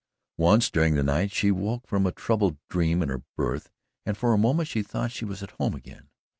Once during the night she woke from a troubled dream in her berth and for a moment she thought she was at home again.